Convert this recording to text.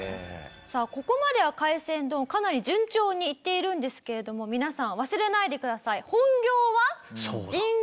さあここまでは海鮮丼かなり順調にいっているんですけれども皆さん忘れないでください。